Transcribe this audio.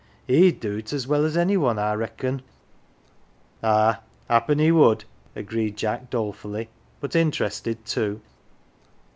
He'd do't as well as any one, I reckon." " Ah, happen he would," agreed Jack dolefully, but interested too.